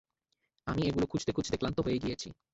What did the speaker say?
আমি এগুলো খুজতে খুজতে, ক্লান্ত হয়ে গেছি।